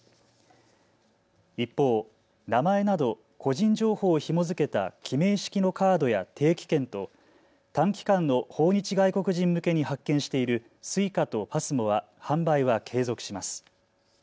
一方、名前など個人情報をひも付けた記名式のカードや定期券と短期間の訪日外国人向けに発券しているＳｕｉｃａとＰＡＳＭＯは販売は継続します。